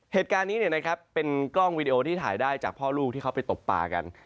เหตุการณ์นี้เป็นกล้องวีดีโอที่ถ่ายได้จากพ่อลูกที่เขาไปตบป่ากัน